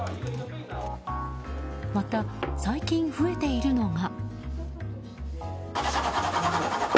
また、最近増えているのが。